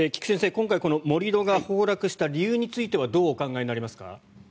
今回盛り土が崩落した理由についてどうお考えになりますか。